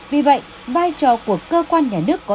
vì vậy vai trò của cơ quan nhà nước có thể là